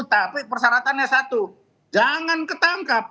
tapi persyaratannya satu jangan ketangkap